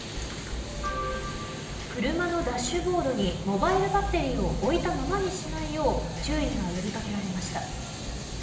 車のダッシュボードにモバイルバッテリーを置いたままにしないよう注意が呼びかけられました。